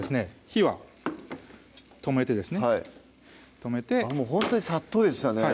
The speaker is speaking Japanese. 火は止めてですねはい止めてほんとにさっとでしたね